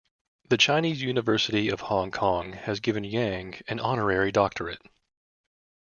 The Chinese University of Hong Kong has given Yang an honorary doctorate.